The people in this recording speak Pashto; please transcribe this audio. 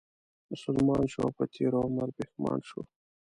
مسلمان شو او په تېر عمر پښېمان شو